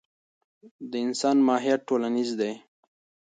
د انسان ماهیت ټولنیز دی.